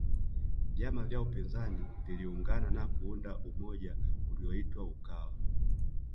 vyama vya upinzani viliungana na kuunda umoja uliyoitwa ukawa